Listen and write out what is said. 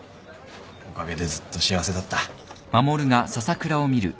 おかげでずっと幸せだった。